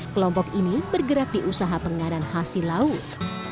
kelompok ini bergerak di usaha pengadaan hasil laut